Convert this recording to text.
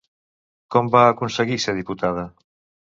Com va aconseguir ser diputada?